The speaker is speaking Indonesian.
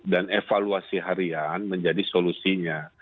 dan evaluasi harian menjadi solusinya